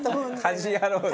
『家事ヤロウ！！！』です。